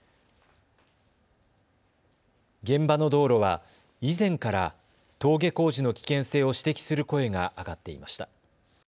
現場の道路は以前から、登下校時の危険性を指摘する声が上がっていました。